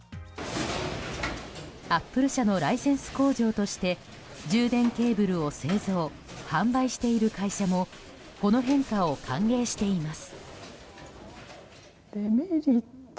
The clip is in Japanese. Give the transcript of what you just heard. アップル社のライセンス工場として充電ケーブルを製造・販売している会社もこの変化を歓迎しています。